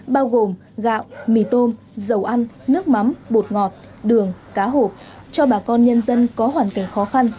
bao gồm gạo mì tôm dầu ăn nước mắm bột ngọt đường cá hộp cho bà con nhân dân có hoàn cảnh khó khăn